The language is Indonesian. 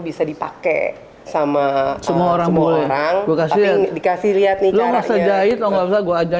bisa dipakai sama semua orang orang dikasih lihat nih lo masa jahit nggak bisa gua aja